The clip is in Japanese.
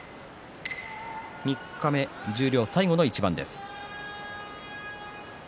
三日目、十両最後の一番です。